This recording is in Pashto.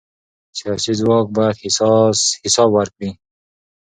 سیاسي ځواک باید حساب ورکړي